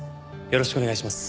よろしくお願いします。